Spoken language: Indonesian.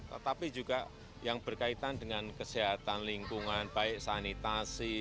tetapi juga yang berkaitan dengan kesehatan lingkungan baik sanitasi